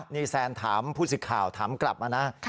นี่แซนถามผู้สิทธิ์ข่าวถามกลับมานะ